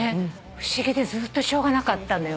不思議でずっとしょうがなかったのよ。